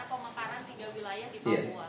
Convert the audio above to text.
tapi apakah pks sudah mempersiapkan